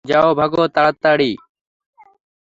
যাও, ভাগো তাড়াতাড়ি!